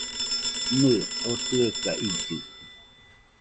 Nɨɨ, oo tɨeka illɨ .